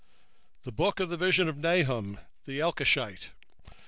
The book of the vision of Nahum the Elkoshite.